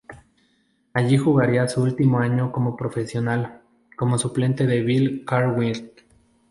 Allí jugaría su último año como profesional, como suplente de Bill Cartwright.